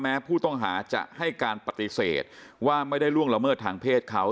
ผู้ต้องหาจะให้การปฏิเสธว่าไม่ได้ล่วงละเมิดทางเพศเขา